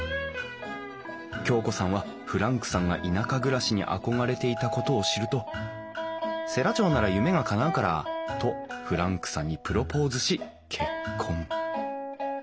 京子さんはフランクさんが田舎暮らしに憧れていたことを知ると「世羅町なら夢がかなうから」とフランクさんにプロポーズし結婚。